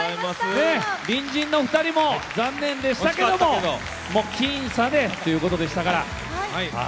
隣人の２人も残念でしたが僅差でということでしたから。